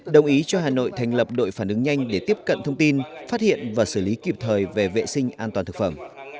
đồng ý cho hà nội thành lập đội phản ứng nhanh để tiếp cận thông tin phát hiện và xử lý kịp thời về vệ sinh an toàn thực phẩm